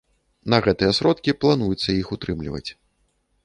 На гэтыя сродкі плануецца іх утрымліваць.